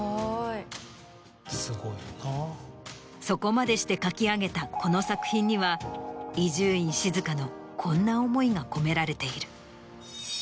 そこまでして書き上げたこの作品には伊集院静のこんな思いが込められている。